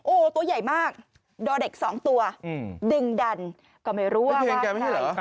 โอ้ตัวใหญ่มากด่อเด็ก๒ตัวดึงดันก็ไม่รู้ว่าใคร